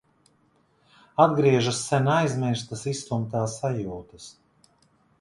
Atgriežas sen aizmirstas izstumtā sajūtas...